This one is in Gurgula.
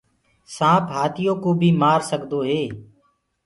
سآنٚپ هآتِيوڪو بي مآرسگدوئي